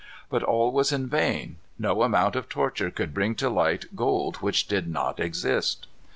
But all was in vain. No amount of torture could bring to light gold which did not exist.